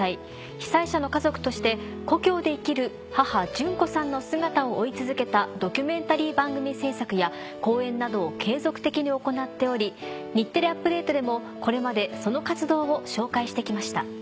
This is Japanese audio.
被災者の家族として故郷で生きる母順子さんの姿を追い続けたドキュメンタリー番組制作や講演などを継続的に行っており『日テレアップＤａｔｅ！』でもこれまでその活動を紹介して来ました。